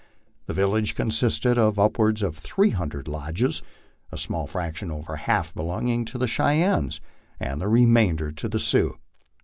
The village consisted of upwards of three hundred lodges, a small fraction over half belonging to the Cheyennes, the remainder to the Sioux.